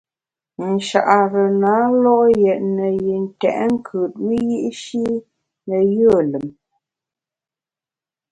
Nchare na lo’ yètne yi ntèt nkùt wiyi’shi ne yùe lùm.